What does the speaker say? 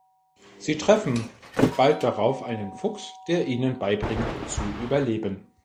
Sie treffen bald darauf einen Fuchs, der ihnen beibringt zu überleben.